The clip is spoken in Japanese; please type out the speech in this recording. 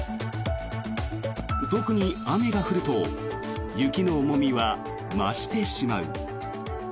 特に雨が降ると雪の重みは増してしまう。